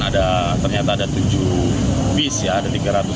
pada pembentaran ternyata ada tujuh bus